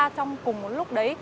trong cùng một lúc đấy